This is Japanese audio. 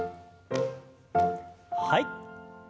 はい。